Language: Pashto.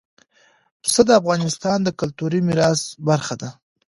پسه د افغانستان د کلتوري میراث برخه ده.